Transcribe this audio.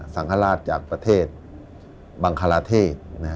สังฆราชจากประเทศบังคลาเทศ